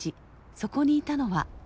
そこにいたのは。